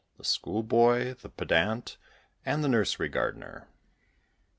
THE SCHOOL BOY, THE PEDANT, AND THE NURSERY GARDENER.